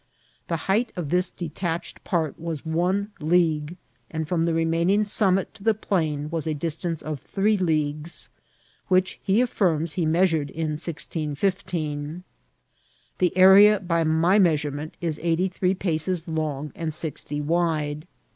The height of this detached part was one league, and from the remaining summit to the plain was a dis tance of three leagues, which he affirms he measured in 1615. The area, by my measurement, is eighty three paces long and sixty wide.